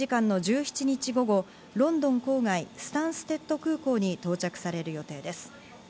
現地時間の１７日午後、ロンドン郊外スタンステッド空港に到着される予定です。